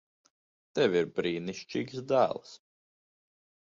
Tev ir brīnišķīgs dēls.